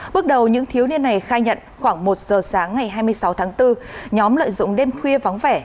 bước đầu những thiếu niên này khai nhận khoảng một giờ sáng ngày hai mươi sáu tháng bốn nhóm lợi dụng đêm khuya vắng vẻ